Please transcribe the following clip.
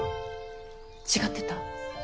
違ってた？